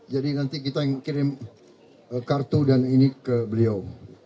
jadi nanti kita kirim kartu dan ini ke beliau